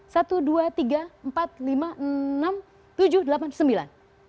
satu dua tiga empat lima enam tujuh delapan sembilan